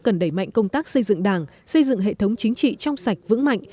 cần đẩy mạnh công tác xây dựng đảng xây dựng hệ thống chính trị trong sạch vững mạnh